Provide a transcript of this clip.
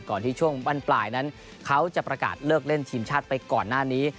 ที่ช่วงบรรปลายนั้นเขาจะประกาศเลิกเล่นทีมชาติไปก่อนหน้านี้